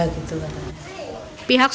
pihak sekolah berkata